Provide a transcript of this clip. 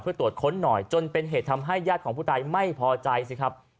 เพื่อตรวจค้นหน่อยจนเป็นเหตุทำให้ญาติของผู้ตายไม่พอใจสิครับ